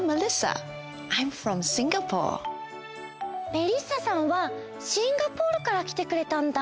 メリッサさんはシンガポールからきてくれたんだ！